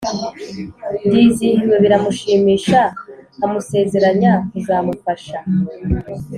ndizihiwe biramushimisha amusezeranya kuzamufasha